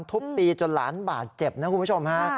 ทุบตีจนหลานบาดเจ็บนะคุณผู้ชมฮะ